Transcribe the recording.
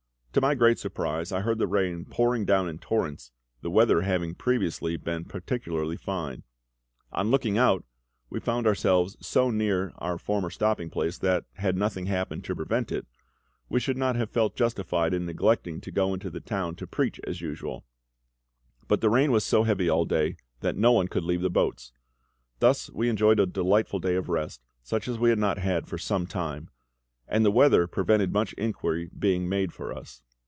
To my great surprise I heard the rain pouring down in torrents, the weather having previously been particularly fine. On looking out, we found ourselves so near our former stopping place, that, had nothing happened to prevent it, we should not have felt justified in neglecting to go into the town to preach as usual; but the rain was so heavy all day that no one could leave the boats. Thus we enjoyed a delightful day of rest, such as we had not had for some time; and the weather prevented much inquiry being made for us.